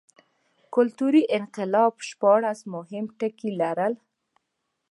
کلتوري انقلاب شپاړس مهم ټکي لرل.